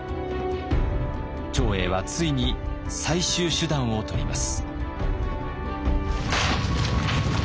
長英はついに最終手段をとります。